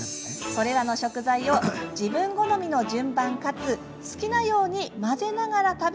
それらの食材を自分好みの順番かつ好きなように混ぜながら食べられる工夫。